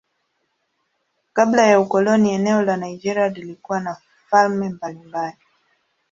Kabla ya ukoloni eneo la Nigeria lilikuwa na falme mbalimbali.